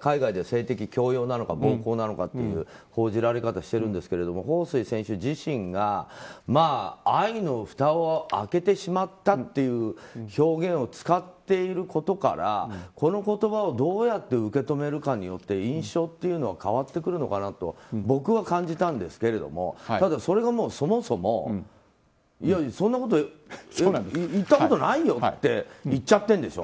海外では性的強要なのか暴行なのかという報じられ方をしてるんですがホウ・スイ選手自身がまあ、愛のふたを開けてしまったっていう表現を使っていることからこの言葉をどうやって受け止めるかによって印象っていうのは変わってくるのかなと僕は感じたんですがそれがそもそもそんなこと言ったことないよって言っちゃってるんでしょ。